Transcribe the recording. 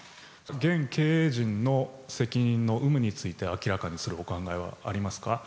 現経営陣の責任の有無について、明らかにするお考えはありますか？